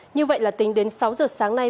như vậy là tính đến sáu giờ sáng nay